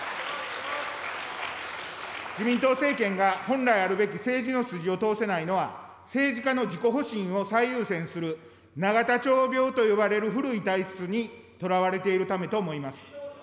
自民党政権が本来あるべき政治の筋を通せないのは、政治家の自己保身を最優先する永田町病と呼ばれる古い体質にとらわれているためと思います。